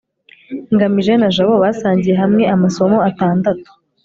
ngamije na jabo basangiye hamwe amasomo atandatu